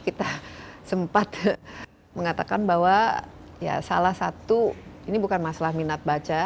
kita sempat mengatakan bahwa ya salah satu ini bukan masalah minat baca